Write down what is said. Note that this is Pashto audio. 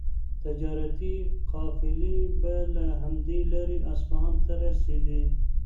تجارتي قافلې به له همدې لارې اصفهان ته رسېدې.